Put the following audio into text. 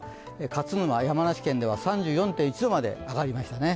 勝沼、山梨県では３４．１度まで上がりましたね。